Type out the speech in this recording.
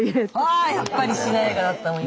あやっぱりしなやかだったもん